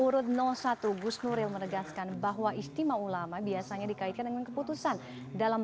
urut satu gus nuril menegaskan bahwa istimewa ulama biasanya dikaitkan dengan keputusan dalam